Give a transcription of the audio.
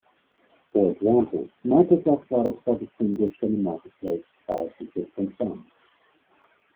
For example, Microsoft products are distinguished in the marketplace by a consistent font.